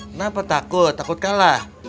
kenapa takut takut kalah